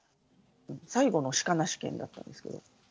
最後のシカなし県だったんですけど。